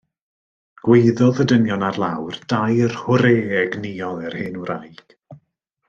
Gwaeddodd y dynion ar lawr dair hwrê egnïol i'r hen wraig.